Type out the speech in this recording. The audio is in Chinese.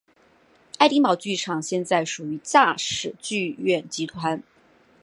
爱丁堡剧场现在属于大使剧院集团。